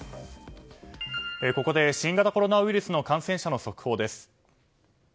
ここで新型コロナウイルスの感染者の速報です。